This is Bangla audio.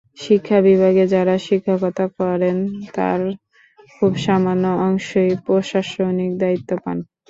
শিক্ষা বিভাগে যাঁরা শিক্ষকতা করেন, তার খুব সামান্য অংশই প্রশাসনিক দায়িত্ব পান।